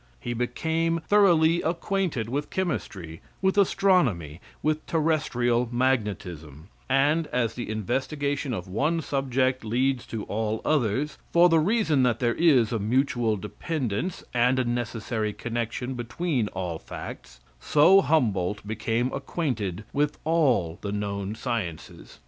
He became thoroughly acquainted with chemistry, with astronomy, with terrestrial magnetism; and as the investigation of one subject leads to all others, for the reason that there is a mutual dependence and a necessary connection between all facts, so Humboldt became acquainted with all the known sciences.